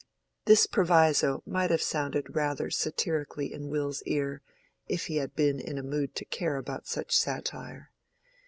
This proviso might have sounded rather satirically in Will's ear if he had been in a mood to care about such satire.